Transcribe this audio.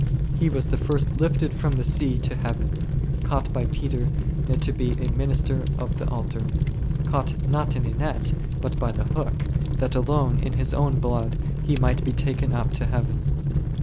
He was the first lifted from the sea to Heaven, caught by Peter to be a minister of the Altar ; caught, not in a net, but by the hook, that alone in his own blood he might be taken up to Heaven.